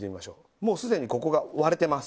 もうすでにここが割れてます。